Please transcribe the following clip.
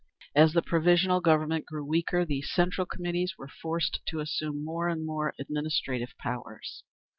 As the Provisional Government grew weaker, these Central Committees were forced to assume more and more administrative powers.